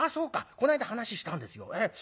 こないだ話したんですよ。